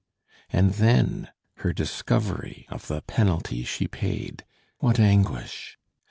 And then her discovery of the penalty she paid! What anguish!